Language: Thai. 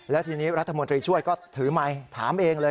และทีนี้รัฐมนตรีช่วยก็ถือไมค์ถามเองเลย